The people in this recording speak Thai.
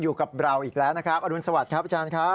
อยู่กับเราอีกแล้วนะครับอรุณสวัสดิ์ครับอาจารย์ครับ